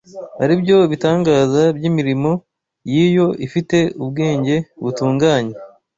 ari byo “bitangaza by’imirimo y’Iyo ifite ubwenge butunganye